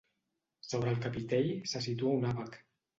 Sobre el capitell se situa un àbac.